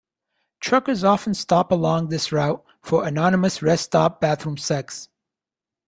Truckers often stop along this route for anonymous rest-stop bathroom sex.